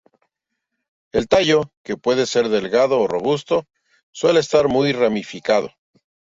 El tallo, que puede ser delgado o robusto, suele estar muy ramificado.